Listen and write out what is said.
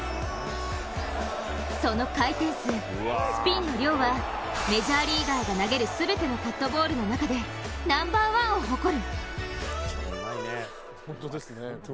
その回転数、スピンの量はメジャーリーガーが投げる全てのカットボールの中でナンバーワンを誇る。